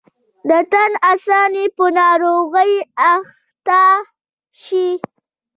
د تن آساني په ناروغۍ اخته شي.